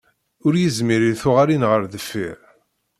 Ur yezmir i tuɣalin ɣer deffir.